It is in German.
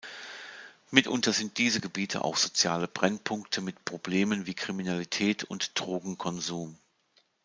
Mitunter sind diese Gebiete auch soziale Brennpunkte mit Problemen wie Kriminalität und Drogenkonsum.